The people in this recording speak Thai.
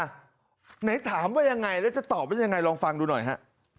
สนับสนุนไปอย่างไรและจะตอบไว้อย่างไรชอบลองฟังดูหน่อยฮะ